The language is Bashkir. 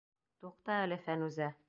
Туҡта әле, Фәнүзә...